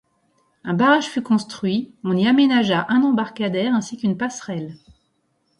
Un barrage fut construit, on y aménagea un embarcadère ainsi qu'une passerelle.